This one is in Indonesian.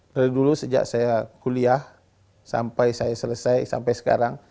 dari dulu sejak saya kuliah sampai saya selesai sampai sekarang